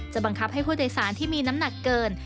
บังคับให้ผู้โดยสารที่มีน้ำหนักเกิน